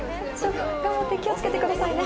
頑張って気を付けてくださいね。